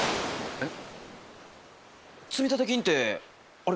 えっ？